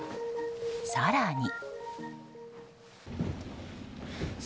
更に。